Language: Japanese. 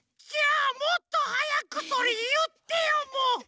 じゃあもっとはやくそれいってよもう！